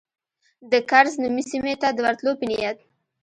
د کرز نومي سیمې ته د ورتلو په نیت.